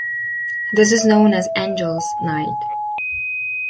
This is known as "Angels' Night".